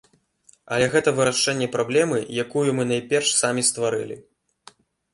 Але гэта вырашэнне праблемы, якую мы найперш самі стварылі.